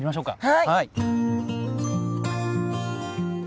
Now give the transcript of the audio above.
はい。